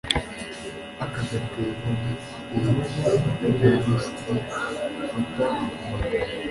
aka gatebo nka dede ya davis d, fata amano